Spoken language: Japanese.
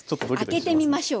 開けてみましょう。